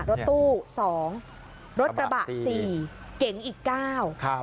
รถตู้๒รถระบะ๔เก๋งอีก๙